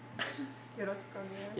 よろしくお願いします。